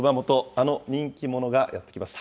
あの人気者がやって来ました。